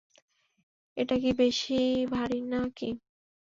এটা কি বেশিই ভারি না কি?